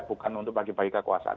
bukan untuk bagi bagi kekuasaan